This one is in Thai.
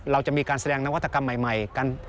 เราจะมีการแสดงนวัตกรรมใหม่